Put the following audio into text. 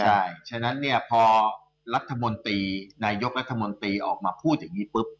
ใช่ฉะนั้นเนี่ยพอรัฐมนตรีนายกรัฐมนตรีออกมาพูดอย่างนี้ปุ๊บ